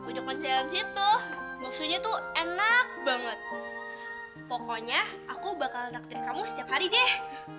ponsel ponselan situ maksudnya tuh enak banget pokoknya aku bakal ngeraktif kamu setiap hari deh